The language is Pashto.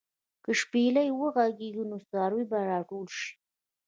که شپېلۍ وغږېږي، نو څاروي به راټول شي.